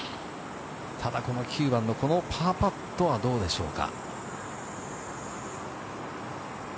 ただこの９番のパーパットはどうでしょうか。